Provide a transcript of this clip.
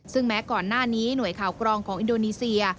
ซึ่งแม้ก่อนหน้านี้หน่วยข่าวกรองของอินโดนีเซีย